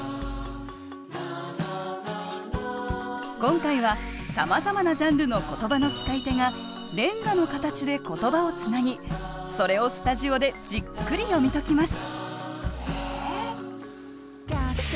今回はさまざまなジャンルの言葉の使い手が連歌の形で言葉をつなぎそれをスタジオでじっくり読み解きます。